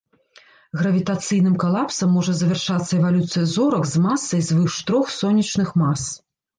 Гравітацыйным калапсам можа завяршацца эвалюцыя зорак з масай звыш трох сонечных мас.